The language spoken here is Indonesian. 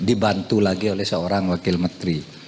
dibantu lagi oleh seorang wakil menteri